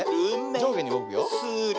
じょうげにうごくよ。